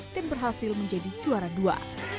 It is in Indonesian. dan berhasil menjadi juara dua